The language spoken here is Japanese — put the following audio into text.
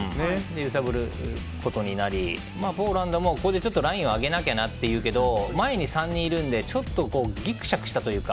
揺さぶることになりポーランドもここでラインを上げなきゃってなるんですけど前に３人いるのでちょっとギクシャクしたというか。